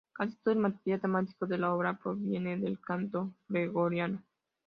Casi todo el material temático de la obra proviene del canto gregoriano.